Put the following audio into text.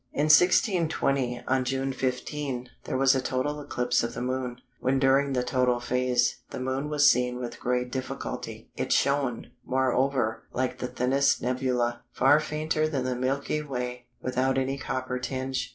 In 1620, on June 15, there was a total eclipse of the Moon, when during the total phase "the Moon was seen with great difficulty. It shone, moreover, like the thinnest nebula, far fainter than the Milky Way, without any copper tinge.